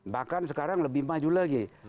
bahkan sekarang lebih maju lagi